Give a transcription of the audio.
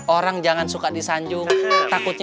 orang jangan suka disanjung takut